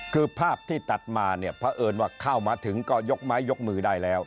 คือภาพที่ตัดมาเนี่ยเพราะเอิญว่าเข้ามาถึงก็ยกไม้ยกมือได้แล้ว